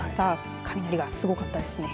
雷がすごかったです。